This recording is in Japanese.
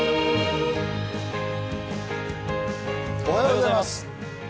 おはようございます。